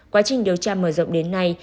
quá trình điều tra mở rộng đến nay